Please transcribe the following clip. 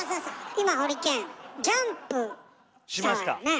今ホリケンジャンプしたわよね。